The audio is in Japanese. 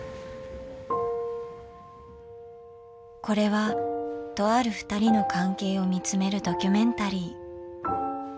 これはとあるふたりの関係を見つめるドキュメンタリー。